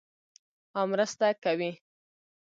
او مرسته کوي.